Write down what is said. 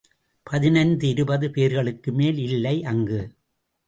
பதினைந்து இருபது பேர்களுக்கு மேல் இல்லை அங்கு.